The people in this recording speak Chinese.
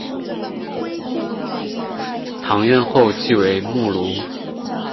堂院后即为墓庐。